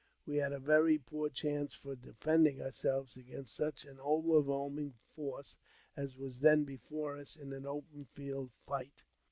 We had a very poor chance for defending ourselves against such an over whelming force as was then before us in an open field fight.